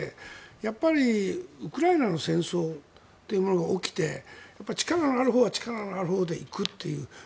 やっぱりウクライナの戦争というものが起きて力があるほうは力があるほうで行くという。